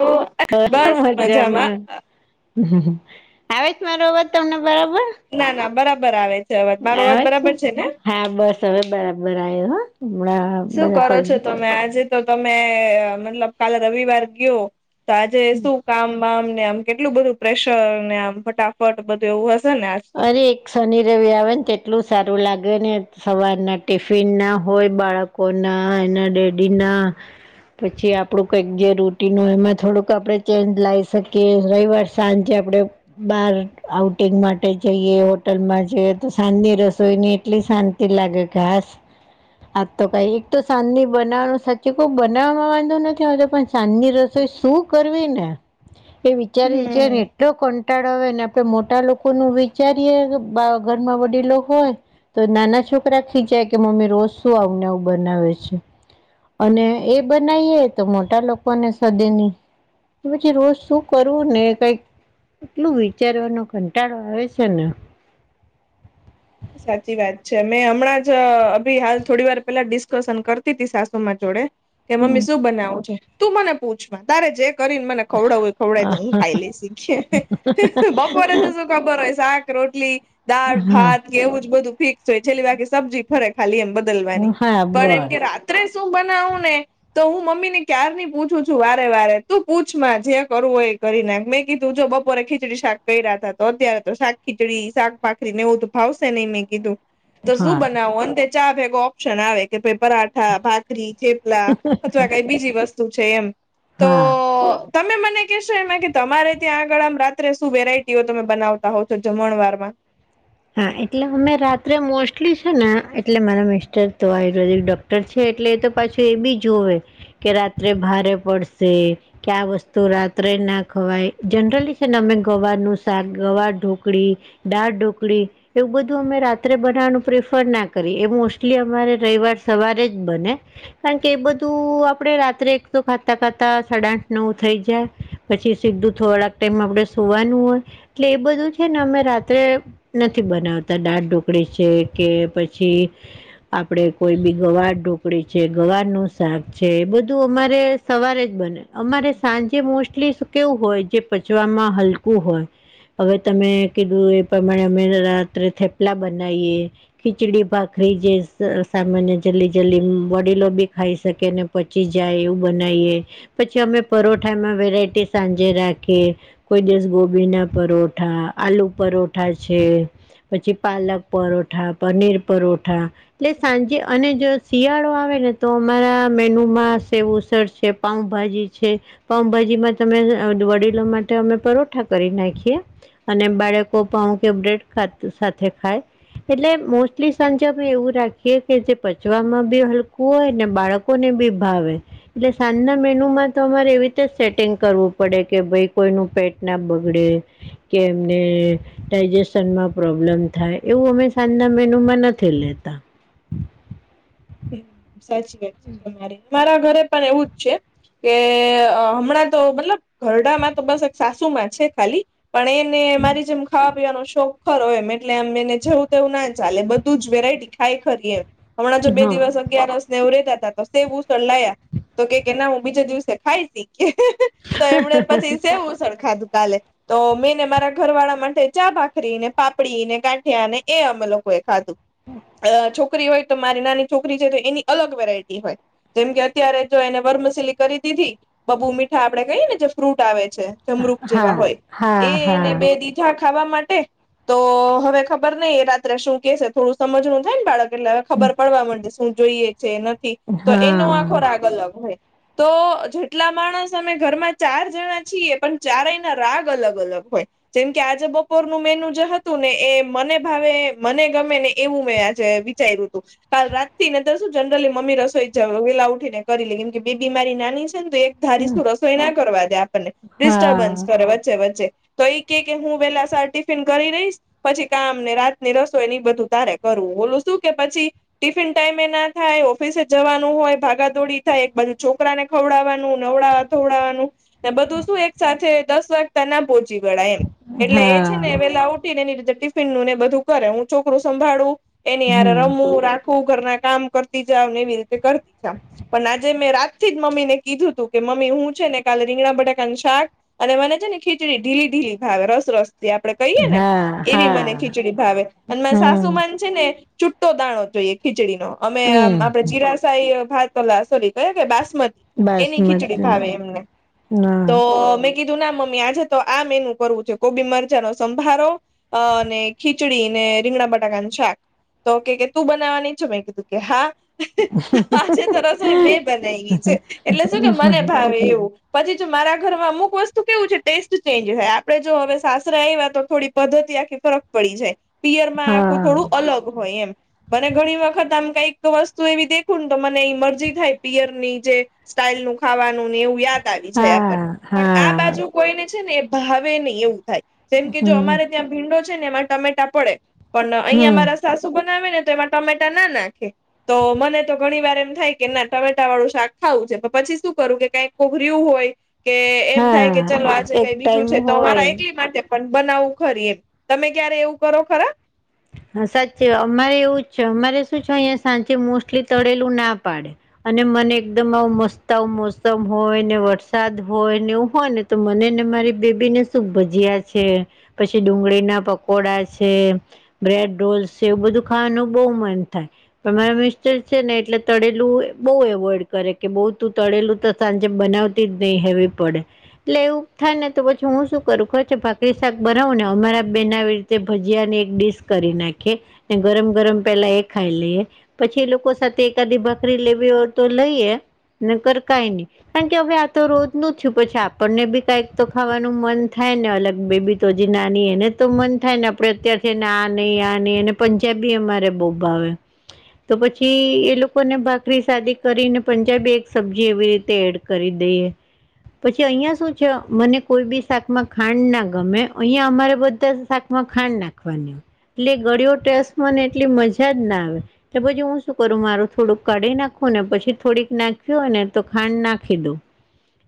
તો હ બસ મજામાં મજજામાં આવે જ મારોબત તમને બરાબર [unintelligible] ના ના બરાબર આવે છે અવાજ મારો વાજ બરાબર છે ને હા બસ હવે બરાબર આયો હ હમણા શું કરો છો તમે આજે તો તમે મતલબ કાલે રવિવાર ગયો તો આજે શું કામ બામ ને આમ કેટલું બધું પ્રેશર ને આમ ફટાફટ બધું એવું હશે ને આ અરે શનિ રવિ આવે ને તેટલું સારું લાગે ને સવાર ના ટિફિન ના હોય બાળક કોના એ ડેડી ના પછી આપડું કંઈક જે રૂટીન હોય એમાં થોડુંક આપડે ચેન્જ લાવી શકીએ રવિવાર સાંજે આપડે બાર આઉટિંગ માટે જઈએ હોટલમાં જઈએ તો સાંજની રસોઈ ની એટલી શાંતિ લાગે કે હાશ આ તો કઈ એક તો સાંજની બનાવાનું સાચું કો બનાવવામાં વાંધો નથી હોતો પણ સાંજ ની શું કરવી ને એ વિચારી હમ છેને એટલો કંટાળ આવે ને આપડે મોટા લોકો નું વિચારીએે કે ઘરમાં વડીલો હોય તો નાના છોકરા ખીચાય કે મમ્મી રોજ શું આવું આવુંને બનાવે છે. અને એ બનાવીએ તો મોટા લોકોને સદે નહીં. કે પછી રોજ શું કરવું ને કઈક એટલું વિચારવાનો કંટાળો આવે છે ને. સાચી વાત છે મેં હમણાં જ અભી હાલ થોડી વાર પેલા ડિસ્કશન કરતી તી સાસુમાં જોડે કે મમ્મી શું બનાવું છે તું મને પૂછમાં તારે જે કરીને મને ખવડાવ હોય ખવડા તો હું ખાઈ લઈશીખ. બપોરે તો શું ખબર હોય શાક, રોટલી, દાળ, હા ભાત એવું જ બધું ફિક્સ હોય છેલ્લી વાકી સબ્જી ફરે ખાલી એમ બદલવાની હા પણ એમ બસ કે રા ત્રે શું બનાવું ને તો હું મમ્મી ને ક્યાર ની પૂછું છું વારે વારે તું પૂછમાં જે કરું હોય કરી નાખ મેં કીધું જો બપોરે ખીચડી શાક ક રહ્યા હતા તો અત્યારે તો શાક ખીચડી શાક ભાખરીને એવું ફાવશે નહી મેં કીધું તો શું હા બનાવું ચા ભેગો ઓપ્શન આવે કે ભ પરાઠા ભાખરી થેપલા અથવા કઈ બીજી વસ્તુ શું છે એમ. હા. કેશું એમાં કે તમારે ત્યાં આગળ આમ રાત્રે શું વેરાયટીઓ તમે બનાવતા હોવ છો જમણવાર માં. હા એટલે અમે રાત્રે મોસ્ટલી છે ને એટલે મારા મિસ્ટર તો હોય ડોક છે એટલે એ તો પાછું એ બી જોવે કે રાત્રે ભારે પડશે. કે આ વસ્તુ રાત્રે ના ખવાય જનરલી છે ને અમે ગવારનું શાક ગવાર ઢુંગળી દાળ ઢોકળી એવું બધું અમે રાત્રે બનાવવાનું પ્રિફર ના કરી એ મોસ્ટલી અમારે રવિવાર સવારે જ બને. કારણ કે એ બધું આપડે રાત્રે એક તો ખાતા ખાતા સાડા આઠ નવ થઈ જાય. પછી સીધું થોડાક ટાઈમ આપડણે સોવાનું હોય એટલે એ બધું છે ને અમે રાત્રે નથી બનાવતા દાળ ઢોકળી છે કે પછી આપડે કોઈ બી ગવાર ઢોકળી છે ગવાર નું શાક છે એ બધું અમારે સવારે જ બને. અમારે સાંજે મોસ્ટલી કેવું હોય જે પચવામાં હલકું હોય. હવે તમે કીધું એ પ્રમાણે અમે રાત્રે થેપલા બનાવીએ. ખીચડી ભાખરી જે સામાન્ય જલ્દી જલ્દી વડીલો બી ખાઈ શકેને પચી જાય એવું બનાવીએ પછી અમે પરોઠામાં વેરાયટી સાંજે રાખીએ કોઈ દિવસ ગોભી ના પરોઠા આલુ પરોઠા છે. પછી પાલક પરોઠા, પનીર પરોઠા એટલે સાંજે અને જો શિયાળો આવે ને તો અમારા મેન્યુમાં સેવસળ છે. પાઉભાજી છે. પાઉભાજીમાં તમે વડીલો માટે અમે પરોઠા કરી નાખીએ અને બાળક પાવ કે બ્રેડ સાથે ખાય એટલે મોસ્ટલી સાંજે અમે એવું રાખીએ કે જે પચવામાં બી હલકું હોય ને બાળકો કોને બી ભાવે. એટલે સાંજના મેનુ માં તો અમારે એવી રીતે જ સેટિંગ કરવું પડે કે ભાઈ કોઈનું પેટ ના બગડે. કે એમને ડાયજેશનમાં પ્રોબ્લેમ થાય એવું અમે સાંજના મેનુમાં નથી લેતા. સાચી વાત છે તમારે અમારા ઘરે પણ એવું જ છે. કે હમણાં તો મતલબ ઘરડામાં તો બસ એક સાસુ માં છે ખાલી. પણ એને મારી જેમ ખાવા પીવાનો શોખ ખરો હો એમ એટલે એમ એને જવું તેવું ના ચાલે બધું જ વેરાયટી ખાય ખરી એમ હમણાં જો બે અગીયારને એવું રેતા હતા તો સેવસડ લાયા તો કે કે ના હું બીજા દિવસે ખાયશી કે તો એમણે પછી સેવુંસડ ખાધું કાલે. તો મેંને મારા ઘર વાળા માટે ચા ભાખરી ને પાપડી ને કાંઠિયા ને એ અમે લોકો ખાધું છોકરી હોય તો મારી નાની છોકરી છે તો એની અલગ વેરાયટી હોય. જેમ કે અત્યારે જો એને વરમશીલી કરી દીધી બબુ મીઠા આપડે કહીએ ને જે ફ્રૂટ આવે છે. જમરૂખ જેવા હા હા હોય હા એ હા એને બે દીધા ખાવા માટે તો હવે ખબર નઈ એ રાત્રે શું કેશે થોડું સમજણું થાય ને બાળક એટલે. ખબર પડવા માંડે શું જોઈએ છે નથી તો એનો આ ખોરાક અલગ લખાય. તો જેટલા માણસ અમે ઘરમાં ચાર જણા છીએ પણ ચારેય ના રાગ અલગ અલગ હોય. જેમ કે આજે બપોરનું મેનુ જે હતું ને એ મને ભાવે મને ગમે ને એવું મે આજે વી વિચાર્યું હતું કાલ રાત તી ના તા શું જનરલી મમ્મ રસોઈ વેલા ઉઠીને કરી લઈ કેમ કે બે બી મારી નાની છે ને તો એક ધારી શું રસોઈ ના કરવા દે આપણને હા ડિસ્ટર્બન્સ કરે વચ્ચે વચ્ચે. તો એઈ કે કે હું વેલા સર ટિફિન કરી રહીશ પછી કામ ને રાત ની રસો ની એ બધું તારે કરવું ઓલું શું કે પછી ટિફિન ટાઈમે ના થાય ઓફિસે જવાનું હોય ભાગાદોડી થાય એક બાજુ છોકરાને ખવડાવવાનું નવડાવ [unintelligible] ને બધું શું એક સાથે દસ વાગતા ના પહોંચી વડાય એમ એટલે એ હા છે ને હા વેલા ઉટ તી ને એની રીતે ટિફિન નુંને બધું કરે હું છોકરું સંભાળું એની અરે હમ રમવું રા ખું ઘરના કામ કરતી જાવ ને એવી રીતે કરતી જાવ. પણ આજે મેં રાતથી જ મમ્મી ને કીધું તું કે મમ્મી હું છે ને કાલે રીંગણા બટાકાનું શાક અને મને છે ને ખીચડી ઢીલી ઢીલી ભાવે રસ રસ તે આપડે કહીએ ને હા એવી હા મને ખીચડી ભાવે અને મને હમ સાસુ માન છે ને છુટ્ટો દાણો જોઈએ ખીચડી નો અમે આમ હમ આપડે જીરા કઈ આ ભાત [unintelligible] સોરી કયા કયા બાસમતી એની ખીચડી બાસમતી ભાવે એમને હા તો મે કીધું ના મમ્મી આજે તો આ મેનુ કરવું છે. કોબી મરચા નો સંભારો અને ખીચ ખીચડી ને રીંગણા બટાકાનું શાક તો કેહ કે તું બનાવાની છે? તો મેં કીધું કે હા. [unintelligible] આજે તો રસોઈ મેં બનાઈવી છે એટલે શું કે મને ભાવે એવું. પછી જો મારા ઘરમાં અમુક વસ્તુ કેવું છે ટેસ્ટ ચેન્જ થાય આપડે જો હવે સાસરે આવ્યા તો થોડી પદ્ધતિ આખી ફરક પડી જાય પિયરમાં આખું હા થોડું અલગ હોય એમ મને ઘણી વખ ખત આમ કાંઈક વસ્તુ એવી દેખું ને તો મને ઈ મરજી થાય પિયર ની જે સ્ટાયલ નું ખાવાનું ને એવું યાદ આવી જાય હા આપણને પણ આ હા બાજુ કોઈને છે ને એ ભાવે નહીં એવું થાય જેમ કે જો હમ અમારે ત્યાં ભીંડો છે ને એમાં ટમેટા પડે. પણ અહીંયા હમ મારા સાસુ બનાવે ને તો એમાં ટમેટા ના નાખે. તો મને તો ઘણી વાર એમ થાય કે ના ટમેટા વાળું શાક ખાવું છે પણ પછી શું કરું કે કઈ કોઈક રહ્યું હોય કે એમ થાય કે હા ચાલ આજે એક કઈ બીજું ટાઈમ છે તો મારા હોય એકલી માટે પણ બનાવું ખરી એમ તમે ક્યારે એવું કરો ખરા? હા સાચે અમારે એવું જ છે અમારે શું છે અહીંયા સાંજે મોસ્ટલી તળેલું ના પાડે. અને મને એકદમ આવુ મસ્ત આવ મોસમ હોય ને વરસાદ હોય ને એવું હોય ને તો મને ને મારી બેબી ને શું ભજીયા છે પછી ડુંગળીના પકોડા છે. બ્રેડ રોલ્સ છે એવું બધું ખાવાનું બહું મન થાય. પણ મારા મિસ્ટર છે ને એટલે તળેલું બહુ એવોઈડ કરે કે બઉ તું તળેલું તો સાંજે બનાવતી જ નહી હેવી પડે. એટલે એવું થાય ને તો પછી હું શું કરું ખબર છ ભાખરી શાક બનાવું ને અમારા બેન આવી તે ભજીયા ની એક ડીશ કરી નાખીએ ને ગરમ ગરમ પેલા એ ખાઈ લઈએ. પછી એ લોકો સાથે એકાદી ભાખરી લેવી હોય તો લઈએ ને કર કાય નહી. પણ કેવું હે આ તો રોજનું થયું પછી આપણને બી કઈક તો ખાવાનું મન થાય ને અલગ બે બી તો જે નાની એને તો મન થાય ને આપણે અત્યારથી ના નહી આ નહી અને પંજાબી અમારે બહુ ભાવે તો પછી એ લોકોને ભાખરી સાદી કરીને પંજાબે એક સબ્જી એવી રીતે એડ કરી દઈએ પછી અહિયાં શું છે મને કોઈ બી શાકમાં ખાંડ ના ગમે અહિયાં અમારા બધા શાક એમાં ખાંડ નાખવાની હોય એટલે ગળિયો ટેસ મને એટલી મજા જ ના આવે. તો પછી હું શું કરું મારું થોડુંક કાઢી નાખું ને પછી થોડીક નાખવી હોય ને તો ખાંડ નાખી દઉં.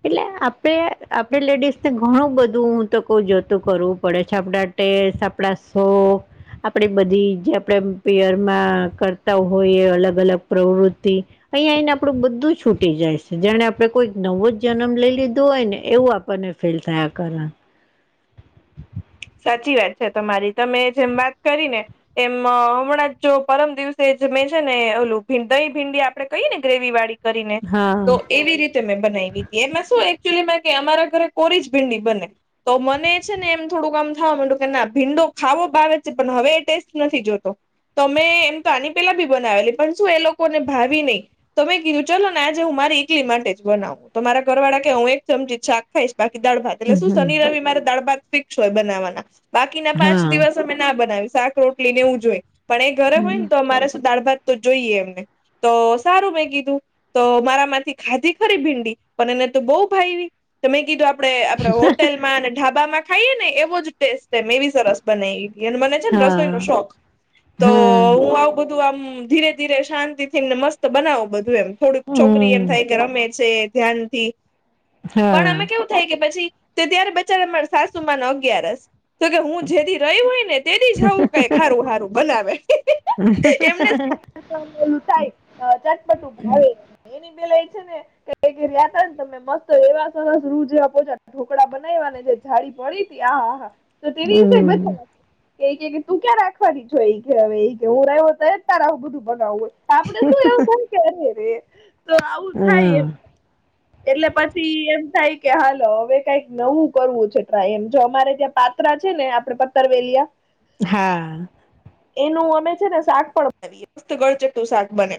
એટલે આપડે આપડે લેડીસને ઘણું બધું હું તો કવુ જતું કરવું પડે છે આપડા આ [unintelligible] [unintelligible] આપણી બધી જે આપણે પિયરમાં કરતા હોય એ અલગ અલગ પ્રવૃત્તિ અહીંયા આઈને આપણું બધું છૂટી જાય છે જેણે આપડણે કોઈ નવો જ જન્મ લઈ લીધો હોય ને એવું આપણને ફેલ થયા કરવા સાચી વાત છે તમારી તમે જેમ વાત કરી ને એમ હમણાં જ જો પરમ દિવસે જમે છે ને ઓલું દહી ભીંડી આપડે કહી ને ગ્રેવી વાળી કરીને હા તો એવી રીતે મેં બનાવી લીધી એમાં શું એક્ચ્યુલી અમારા ઘરે કોરી જ ભીંડી જ બને તો મને એમ કે થોડુંક આામ થવા માંડુ કે ના ભીંડો ખાવો ભાવે છે પણ હવે એ ટેસ્ટ નથી જોતો તો એમ તો આની પેલા બી બનાવેલી પણ શું એ લોકોને ભાવી નહી તો મેં કીધું ચાલો ને આજે હું મારી ઇકલી માટે જ બનાવું તોમારા ઘરવાળા કે હું એક ચમચી શાક ખાઈશ બાકી દાળ ભાત એટલે શું હમ શનિ રવિ મારે દાળ ભાાગ ફિક્સ હોય બનાવવાના બાકીના પાંચ હા દિવસ અમે ના બનાવી શાક રોટલી ને એવું જોઈએ પણ એ ઘરે હોય ને તો અમારે શું દાળ ભાત તો જોઈએ એમને તો સારું મેં કીધું તો મારામાંથી ખાધી ખરી ભીંડી પણ એને તો બહુ ભાવ ત મે કીધું આપડે આપડે હોટેલમાં અને ઢાબામાં ખાઈએ ને એવો જ ટેસ્ટ છે મે એ બી સરસ બનાવીએ એને મને છે ને રસોઈ હા નો શોખ તો હમ હું આવું. બધું આમ ધીરે ધીરે શાંતિ થીને મસ્ત બનાવો બધું એમ. થોડુંક છોકરી એમ હમ થાય કે રમે છે ધ્યાનથી પણ હા અમે કેવું. થાય કે પછી તો ત્યારે બચેરા માર સાસુમા નુ અગિયારસ તો કે હું જેથી રહ્યું હોય ને તેથી જ આવવું કઈ ખારું હારું બનાવે હ [inaudible] ું થાય ચટપટું ભાવે એની બેલાઈ છે [inaudible] હે ને તમે મસ્ત એવા સરસ રૂ જેવા પોા ઢોકળા બનાવવા ને જે ડી મળી હતી આહાહા તો તેની વિશે બ. હમ એ કે તું ક્યાં રાખવાની છો એ કે હવે એ કે હું રહ્યો તો તારું બધું બનાવું હોય. આપડે શું એવું થાય કે રે તો આવું હા થાય એમ. એટલે પછી એમ થાય કે હાલો હવે કઈક નવું કરવું છે. એમ જો અમારે ત્યાં પાત્રા છે ને આપડે પતરવેલીયા હા. એનું અમે છે ને શાક પણ કરિયે મસ્ત ગળચંટુ શાક બને.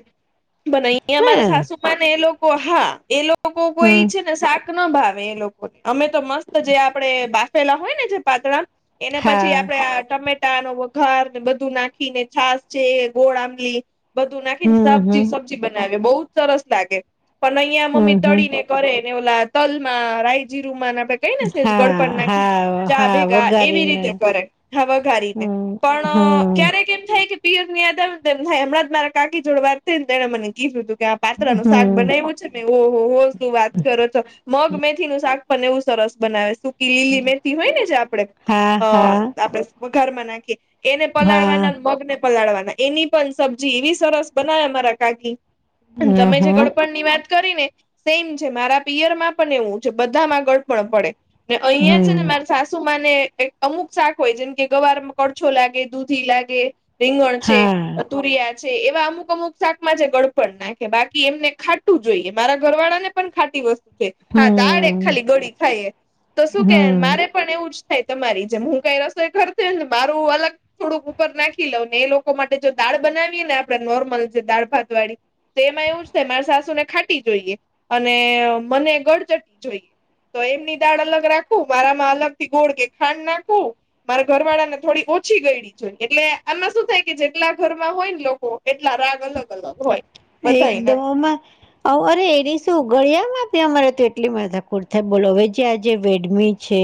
મને અહં હે મારા સાસુમાં ને એ લોકો હા એ લોકો કોઈ હમ છે ને શાક ના ભાવે એ લોકોને અમે તો મસ્ત જે આપણે બાફેલા હોય ને જે પાતળા એના પછી હા આપડે આ ટમેટ ટા નો વઘાર બધું નાખીને છાસ છે ગોળ આંબલી બધું નાખીને હમ સાબજી હમ સબ્જી બનાવે બહુ જ સરસ લાગે પણ અહિયાં મમ્મી હમ હમ તળી ને કરે ને ઓલા તલમાં રાયજીીરુ માં ના આપણે ક‌ઈ ને સેજ ગડપણ હા નાખી હા ચા હા ભેગા એવી વઘારીને રીતે કરે હા વાઘારીને. હમ પણ હમ ક્યારેક એમ થાય કે. પીયર ની યાદ આવે તે એમ થાય હમણાં મારા કાકી જોડે વાત થઈ ને તેણે મને કીધું હતું કે. પાત્રા નું શાક હમ બનાવું છે ને ઓહો હો શું વાત કરો છો મંગ મેથી નું શાક પણ એવું સરસ બનાવે સુકી લીલી મેથી હોય ને જે આપડે હા અ હા આપડે વઘારમાં નાખીએ. એને હા પલાળવાના મંગને પલાળવાના એની પણ સબ્જી એવી સરસ બનાવે મારા કાકી તમે હ હ જે ગડપણ ની વાત કરીને સેમ છે મારા પિયર માં પણ એવું છે બધામાં ગળ પણ પડે. અહીંયા હમ છે મા. સાસુમા ને અમુક શાક હોય જેમ કે ગવારમાં કડછો લાગે દૂધી લાગે. રીંગણ છે. હા તુરિયા છે એવા અમુક અમુક શાકમાં જે ગડપડ નાખે બાકી એમને ખાટું જોઈએ મારા ઘર વાળા ને પણ ખાટી વસ્તુ છે હા દાળે હમ ખાલી ગળી ખાય. તો શું કે હમ મારે પણ એવું જ થાય તમારી જેમ હું કઈ રસોઈ કરરતી હોય ને મારું અલગ થોડુંક ઉપર નાખી લઉ ને એ લોકો માટે જો દાળ બનાવીએ ને આપણે નોર્મલ જે દાળ ભાત વાળી તેમાં એવું થાય મારા સાસુ ને ખાટી જોઈએ અને મને ગળચટી જોઈએ. તો એમની દાળ અલગ રાખવું મારામાં અલગ થી ગોળ કે ખાંડ નાખવું. મારા ઘરવાળા ને થોડી ઓછી ગયડી જોઈ એટલે આમાં શું થાય કે જેટલા ઘરમાં હોય ને લોકો એટલા રાગ. અલગ અલગ હોય બધાય ના. [inaudible] અ અરે એડી શું ગળિયા માં આપી અમારે તો એટલી માથાકુટ થાય બોલો હવે જે આજે વેડમી છે.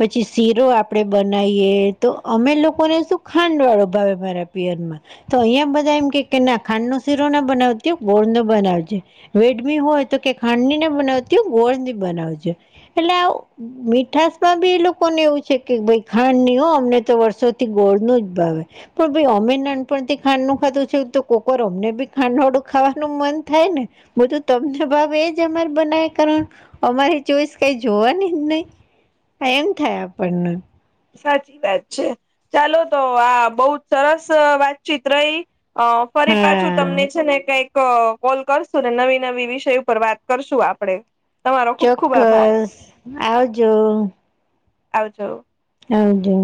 પછી શીરો આપડે બનાવીએ તો અમે લોકોને શું ખાંડ વાળો ભાવે મારા પિયરમાં તો અહિયાં બધા એમ કે ના ખાંડ નો શીરો ના બનાવતી ગોળ નો બનાવજે. વેડમી હોય તો કે ખાંડની ના બનાવતી હો ગોળની બનાવજે. એટલે મીઠાસ માં બી એ લોકોને એવું છે કે ભાઈ ખાંડ નહી હો અમને તો વર્ષો ગોળ નુ જ ભાવે પણ ભાઈ અમે નાનપણથી ખાડ નું ખાધું છે તો કોકવાર અમને બી ખાંડવાળું ખાવાનું મન થાય ને બધું તમને ભાવે એ જ અમાર બનાયા કરવાનું અમારી ચોઈસ કઈ જોવાની જ નહી આ એમ થાય આપણને સાચી વાત છે ચાલો તો આ બઉ જ સરસ વાતચીત રહી અ ફરી પાછું હા તમને છે ને કઈક કોલ કરશું ને નવી નવી વિષય ઉપર વાત કરશું આપડે તમારો ખુબ ખુબ આભાર ચોક્કસ આવજો આવાજો આવજો